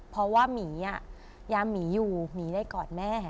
เพราะว่าหมียามหมีอยู่หมีได้กอดแม่